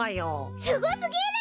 すごすぎる！